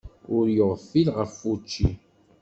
Ur yeɣfil ɣef wučči.